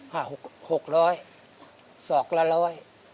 หกร้อยสองละร้อย